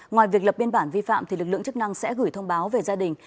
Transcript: ngoài việc lập biên bản vi phạm lực lượng chức năng sẽ gửi thông báo về gia đình